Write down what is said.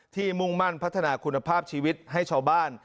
มุ่งมั่นพัฒนาคุณภาพชีวิตให้ชาวบ้าน